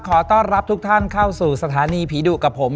ขอต้อนรับทุกท่านเข้าสู่สถานีผีดุกับผม